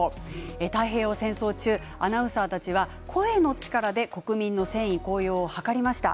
太平洋戦争中アナウンサーたちは声の力で国民の戦意高揚を図りました。